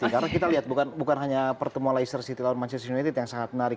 karena kita lihat bukan hanya pertemuan leicester city lawan manchester united yang sangat menarik